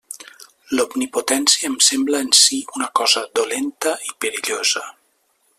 L'omnipotència em sembla en si una cosa dolenta i perillosa.